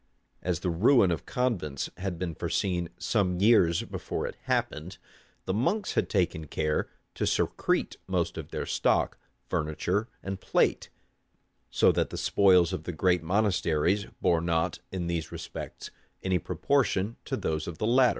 As the ruin of convents had been foreseen some years before it happened, the monks had taken care to secrete most of their stock, furniture, and plate; so that the spoils of the great monasteries bore not, in these respects, any proportion to those of the lesser.